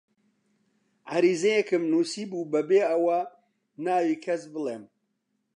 عەریزەیەکم نووسیبوو بەبێ ئەوە ناو کەس بڵێم: